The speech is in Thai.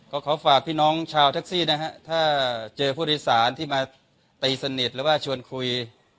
ก็ขอฝากพี่น้องชาวแท็กซี่นะฮะถ้าเจอผู้โดยสารที่มาตีสนิทหรือว่าชวนคุย